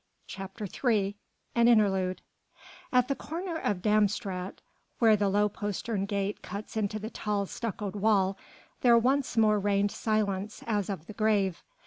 CHAPTER III AN INTERLUDE And at the corner of Dam Straat, where the low postern gate cuts into the tall stuccoed wall, there once more reigned silence as of the grave.